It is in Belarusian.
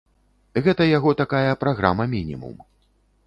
Гэта яго такая праграма-мінімум.